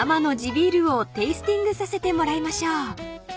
ビールをテイスティングさせてもらいましょう］